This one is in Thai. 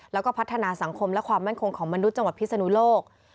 แล้วก็พัฒนาสังคมและความมั่นคงของมนุษย์จังหวัดพิศนุโลก